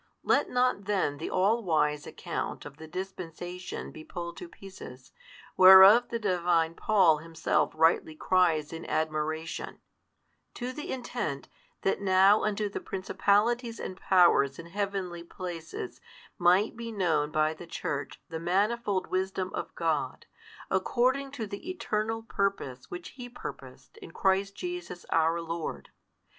Let not then the all wise account of the dispensation be pulled to pieces, whereof the divine Paul himself rightly cries in admiration: To the intent that now unto the principalities and powers in heavenly places might be known by the Church the manifold wisdom of God, according to the eternal purpose which He purposed in Christ Jesus our Lord.